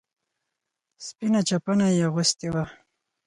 سپينه چپنه يې اغوستې وه.